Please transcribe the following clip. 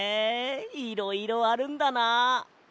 いろいろあるんだな！